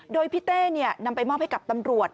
โดยพี่เต้นำไปมอบให้กับตำรวจ